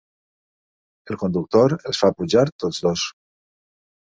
El conductor els fa pujar tots dos.